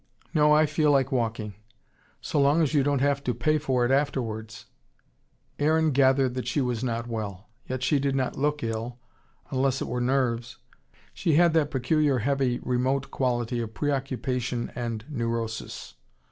"No, I feel like walking." "So long as you don't have to pay for it afterwards." Aaron gathered that she was not well. Yet she did not look ill unless it were nerves. She had that peculiar heavy remote quality of pre occupation and neurosis.